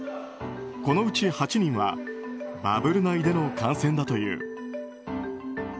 このうち８人はバブル内での感染だという。